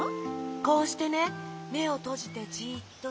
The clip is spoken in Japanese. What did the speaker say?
こうしてねめをとじてじっとして。